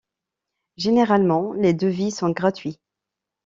Généralement, les devis sont gratuits.